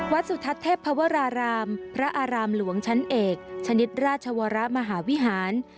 สุทัศน์เทพภวรารามพระอารามหลวงชั้นเอกชนิดราชวรมหาวิหาร